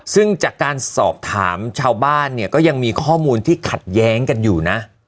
ซึ่งจากการสอบถามชาวบ้านเนี่ยก็ยังมีข้อมูลที่ขัดแย้งกันอยู่นะ